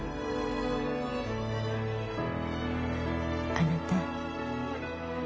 あなた。